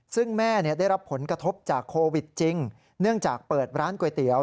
ซึ่งแม่ได้รับผลกระทบจากโควิดจริงเนื่องจากเปิดร้านก๋วยเตี๋ยว